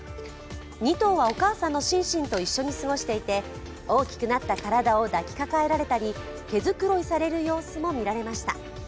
２頭はお母さんのシンシンと一緒に過ごしていて大きくなった体を抱きかかえられたり毛繕いされる様子もみられました。